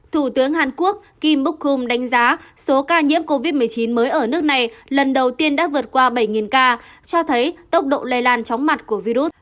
thủ tướng hàn quốc kim bok hom đánh giá số ca nhiễm covid một mươi chín mới ở nước này lần đầu tiên đã vượt qua bảy ca cho thấy tốc độ lây lan chóng mặt của virus